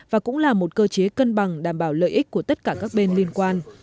và cũng là một cơ chế cân bằng đảm bảo lợi ích của tất cả các bên liên quan